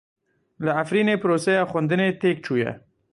Li Efrînê proseya xwendinê têk çûye.